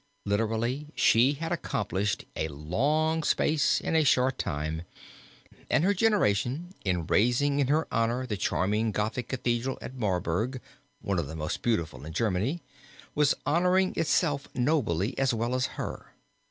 Literally she had accomplished a long space in a short time and her generation in raising in her honor the charming Gothic Cathedral at Marburg, one of the most beautiful in Germany, was honoring itself nobly as well as her.